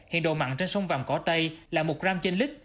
hiện đồ mặn trên sông vàng cỏ tây là một gram trên lít